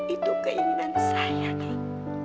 itu keinginan saya nek